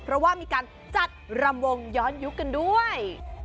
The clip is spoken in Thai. เพราะว่ามีการจัดรำวงย้อนยุคกันด้วย